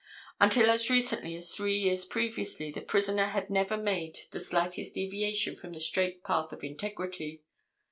Until as recently as three years previously the prisoner had never made the slightest deviation from the straight path of integrity.